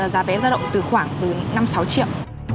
giá vé giao động từ khoảng từ năm sáu triệu